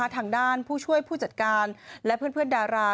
ทางด้านผู้ช่วยผู้จัดการและเพื่อนดารา